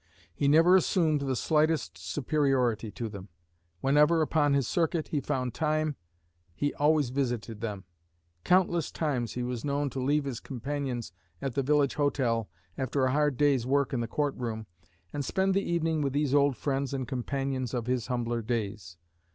He never assumed the slightest superiority to them. Whenever, upon his circuit, he found time, he always visited them. Countless times he was known to leave his companions at the village hotel after a hard day's work in the court room and spend the evening with these old friends and companions of his humbler days.